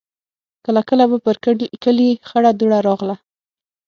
کله کله به پر کلي خړه دوړه راغله.